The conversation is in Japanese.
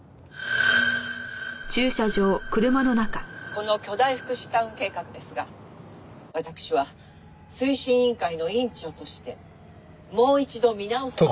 「この巨大福祉タウン計画ですが私は推進委員会の委員長としてもう一度見直す必要が」